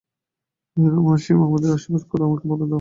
কহিল, মাসিমা, আমাকে আশীর্বাদ করো, আমাকে বল দাও।